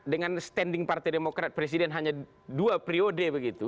dengan standing partai demokrat presiden hanya dua periode begitu